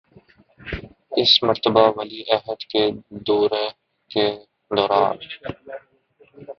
اس مرتبہ ولی عہد کے دورہ کے دوران